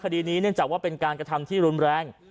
คดีนี้เนื่องจากว่าเป็นการกระทำที่รุนแรง